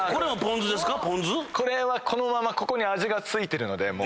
これはこのままここに味が付いてるので。